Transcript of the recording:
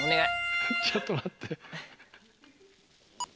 ちょっと待って。